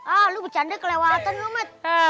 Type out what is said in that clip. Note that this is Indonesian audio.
ah lo bercanda kelewatan lo met